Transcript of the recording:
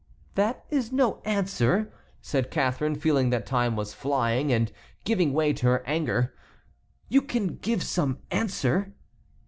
"That is no answer," said Catharine, feeling that time was flying, and giving way to her anger; "you can give some answer."